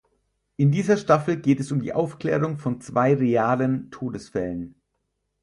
In dieser Staffel geht es um die Aufklärung von zwei realen Todesfällen.